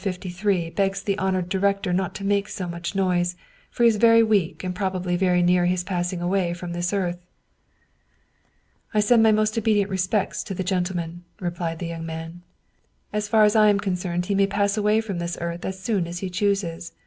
53 begs the hon ored director not to make so much noise, for he is very weak and probably very near his passing away from this earth." " I send my most obedient respects to the gentleman," replied the young man. " As far as I am concerned he may pass away from this earth as soon as he chooses.